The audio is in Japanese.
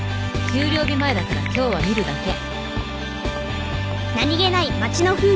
給料日前だから今日は見るだけ」。